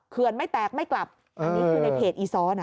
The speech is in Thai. เขื่อนไม่แตกไม่กลับอันนี้คือในเพจอีซ้อนะ